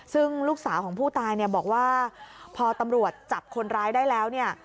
ซึ่งลูกสาวของผู้ตายเนี่ยบอกว่าพอตำรวจจับคนร้ายได้แล้วเนี่ย